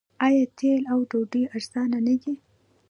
آیا تیل او ډوډۍ ارزانه نه دي؟